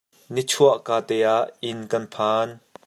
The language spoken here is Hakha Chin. Nichuah ka te ah inn kan phan.